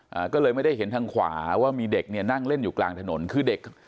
อ่าก็เลยไม่ได้เห็นทางขวาว่ามีเด็กเนี่ยนั่งเล่นอยู่กลางถนนคือเด็ก